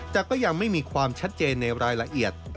แต่ก็ยังไม่มีความชัดเจนในรายละเอียด